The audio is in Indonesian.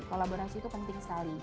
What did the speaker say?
kolaborasi itu penting sekali